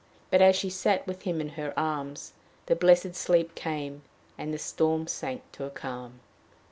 But, as she sat with him in her arms, the blessed sleep came, and the storm sank to a calm.